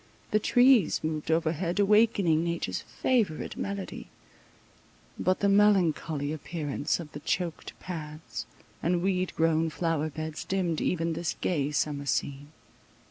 The trees moved overhead, awakening nature's favourite melody—but the melancholy appearance of the choaked paths, and weed grown flower beds, dimmed even this gay summer scene.